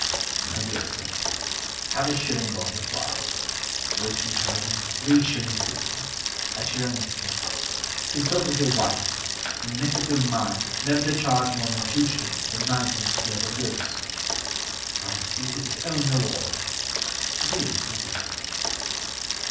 My dear Sir, Have a shilling bottle of wine (For which you charge me 3s. 6d.) At your own expense, Consult with your wife, And make up your mind Never to charge More than 2s. For 9d. worth of goods. Honesty is its own reward It is really.